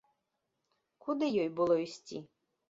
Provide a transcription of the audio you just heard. Куды ёй было ісці?